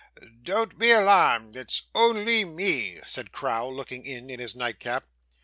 'Don't be alarmed, it's only me,' said Crowl, looking in, in his nightcap.